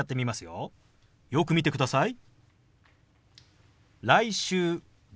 よく見てください。